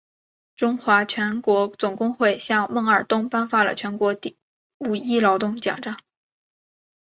中华全国总工会向孟二冬颁发了全国五一劳动奖章。